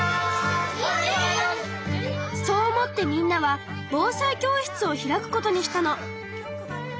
そう思ってみんなは防災教室を開くことにしたの。